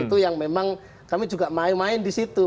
itu yang memang kami juga main main di situ